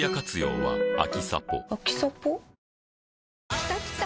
きたきた！